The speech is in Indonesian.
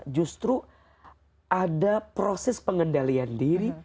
justru ada proses pengendalian diri